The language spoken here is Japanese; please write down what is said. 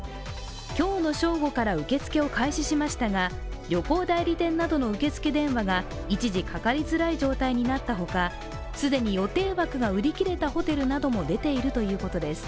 今日の正午から受け付けを開始しましたが、旅行代理店などの受け付け電話が一時かかりづらい状態になったほか既に予定枠が売り切れたホテルなども出ているということです。